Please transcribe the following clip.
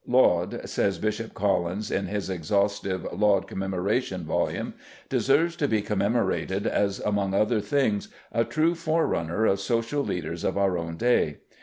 "Laud," says Bishop Collins in his exhaustive Laud Commemoration volume, "deserves to be commemorated as among other things, a true forerunner of social leaders of our own day.